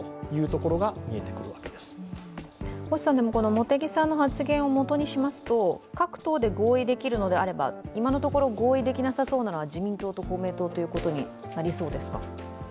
茂木さんの発言をもとにしますと各党で合意できるのであれば今のところ合意できなさそうなのは自民党と公明党ということになりそうですか？